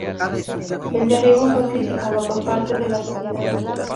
El derribo fue criticado por parte de la sociedad.